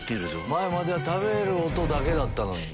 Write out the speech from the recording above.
前は食べる音だけだったのに。